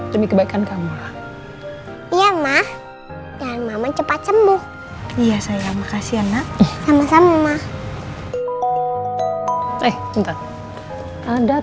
sampaikan kamu ya ma dan mama cepat sembuh iya saya makasih anak sama sama mah eh ada